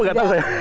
tidak tahu saya